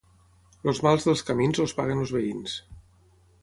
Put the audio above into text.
Els mals dels camins els paguen els veïns.